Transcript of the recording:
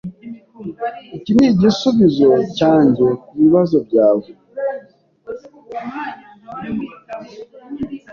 Iki ni igisubizo cyanjye kubibazo byawe.